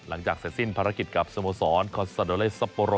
หลังจากใส่สิ้นภารกิจกับสมสรรค์คอนซาโดเลสซัปโปรโน